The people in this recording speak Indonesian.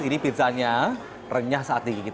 ini pizzanya renyah saat digigit